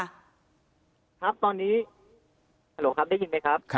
ครับครับตอนนี้ฮัลโหลครับได้ยินไหมครับ